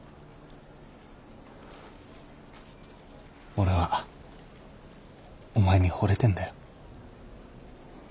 俺はお前にほれてんだよ。